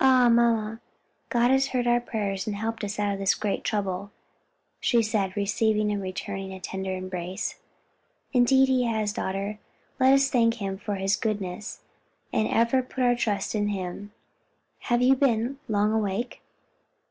"Ah, mamma, God has heard our prayers and helped us out of this great trouble!" she said, receiving and returning a tender embrace. "Indeed he has, daughter, let us thank him for his goodness, and ever put our trust in him. Have you been long awake?"